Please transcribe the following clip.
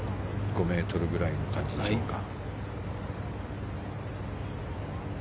５ｍぐらいの感じでしょうか。